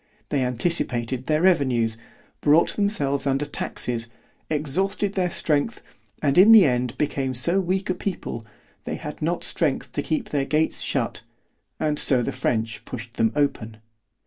——They anticipated their revenues——brought themselves under taxes, exhausted their strength, and in the end became so weak a people, they had not strength to keep their gates shut, and so the French pushed them open.